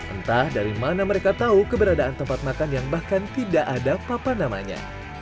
entah dari mana mereka tahu keberadaan tempat makan yang bahkan tidak ada apa apa namanya